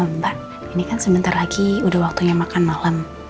mbak ini kan sebentar lagi udah waktunya makan malam